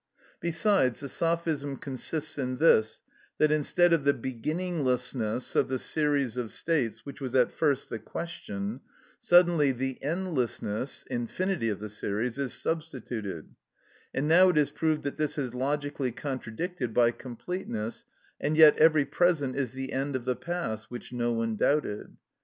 Besides, the sophism consists in this, that instead of the beginninglessness of the series of states, which was at first the question, suddenly the endlessness (infinity) of the series is substituted; and now it is proved that this is logically contradicted by completeness, and yet every present is the end of the past, which no one doubted.